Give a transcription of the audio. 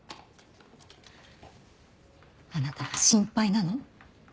あなたが心配なの。